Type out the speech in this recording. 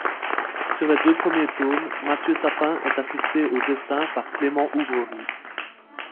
Sur les deux premiers tomes, Mathieu Sapin est assisté au dessin par Clément Oubrerie.